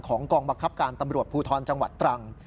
กองบังคับการตำรวจภูทรจังหวัดตรัง